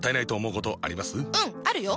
うんあるよ！